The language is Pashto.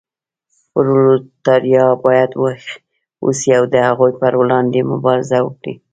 پرولتاریا باید ویښ اوسي او د هغوی پر وړاندې مبارزه وکړي.